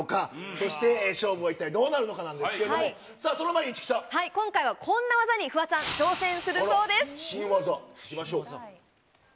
そして勝負は一体どうなるのかなんですけれども、さあ、その前に今回はこんな技にフワちゃん、新技？いきましょう。